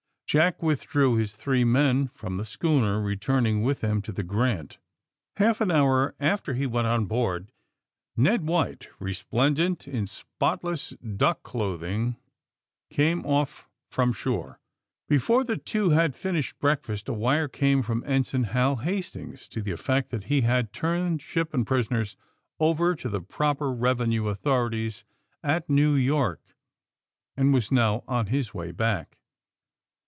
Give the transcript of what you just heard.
Jack withdrew his three men from the Bchooner, returning with them to the ^' Grant." Half an hour after he went on board, Ned White, 244 THE SUBMAEINE BOYS resplendent in spotless dnck clotliing, came off from shore. Before the two had finished breakfast a wire came from Ensign Hal Hastings to the effect that he had turned ship and prisoners over to the proper revenue authorities at New York and was now on his way back.